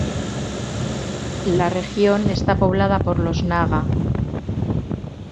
La región está poblada por los naga.